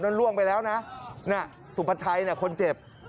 นั่นล่วงไปแล้วนะน่ะสุพัชยคนเจ็บ